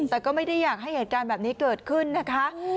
แต่ก็ไม่ได้อยากให้เหตุการณ์แบบนี้เกิดขึ้นนะคะ